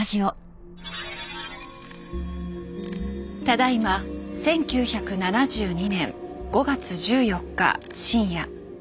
ただいま１９７２年５月１４日深夜。